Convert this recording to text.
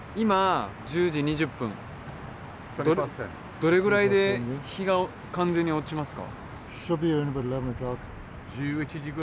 どれぐらいで日が完全に落ちますか？